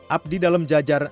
abdi dalam jajar